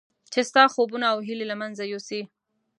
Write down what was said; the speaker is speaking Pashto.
چې ستا خوبونه او هیلې له منځه یوسي.